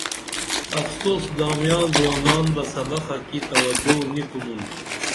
افسوس دامیاں زُوانان بہ سبخہ کی توجو نی کُنُن